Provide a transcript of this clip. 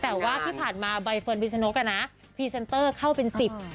แต่ว่าที่ผ่านมาใบเฟิร์นพิชนกอ่ะนะพรีเซนเตอร์เข้าเป็นสิบ